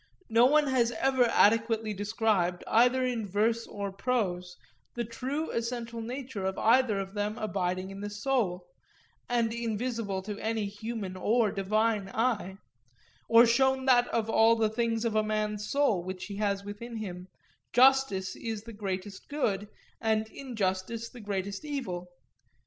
No one has ever adequately described either in verse or prose the true essential nature of either of them abiding in the soul, and invisible to any human or divine eye; or shown that of all the things of a man's soul which he has within him, justice is the greatest good, and injustice the greatest evil.